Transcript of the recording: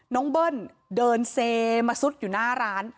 เบิ้ลเดินเซมาซุดอยู่หน้าร้าน